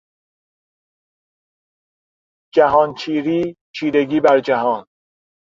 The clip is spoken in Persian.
جهان چیری، چیرگی بر جهان